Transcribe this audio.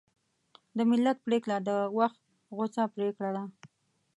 د ملت پرېکړه د وخت غوڅه پرېکړه ده.